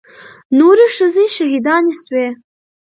نورې ښځې شهيدانې سوې.